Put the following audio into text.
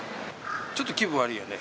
ちょっと気分悪いよね。